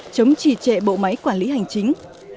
chống trì trệ bộ máy quản lý hành chính